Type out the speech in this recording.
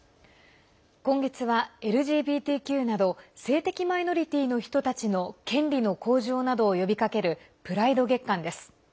今月はＬＧＢＴＱなど性的マイノリティーの人たちの権利の向上などを呼びかけるプライド月間です。